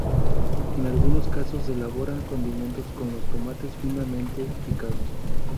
En algunos casos se elaboran condimentos con los tomates finamente picados,